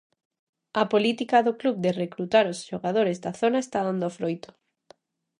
A política do club de recrutar ós xogadores da zona está dando froito.